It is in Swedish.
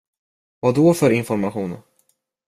Vadå för information?